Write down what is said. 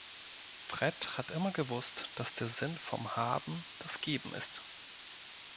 Fred hat immer gewusst, dass der Sinn vom Haben das Geben ist.